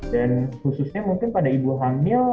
dan khususnya mungkin pada ibu hamil